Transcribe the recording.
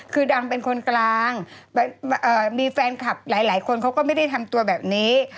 คือดังเป็นคนกลางมีแฟนคลับหลายคนเขาก็ไม่ได้ทำตัวแบบนี้